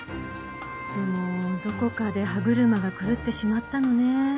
でもどこかで歯車が狂ってしまったのね。